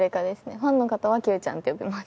ファンの方は「きゅうちゃん」って呼びます。